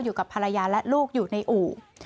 อยู่กับภรรยาและลูกอยู่ในอู่